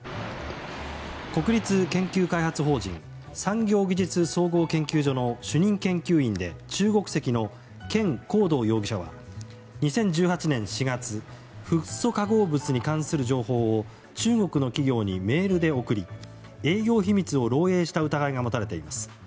国立研究開発法人産業技術総合研究所の主任研究員で中国籍のケン・コウドウ容疑者は２０１８年４月フッ素化合物に関する情報を中国の企業にメールで送り営業秘密を漏洩した疑いが持たれています。